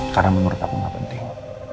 karena menurut aku gak penting